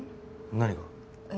何が？